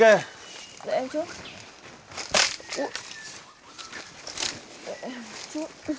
để em trước